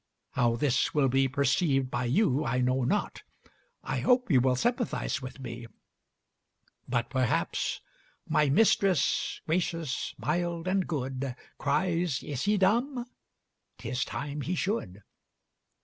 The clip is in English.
How this will be received by you I know not. I hope you will sympathize with me; but perhaps "'My mistress, gracious, mild, and good, Cries Is he dumb? 'Tis time he should.'